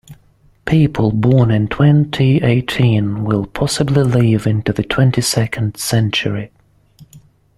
People born in twenty-eighteen will possibly live into the twenty-second century.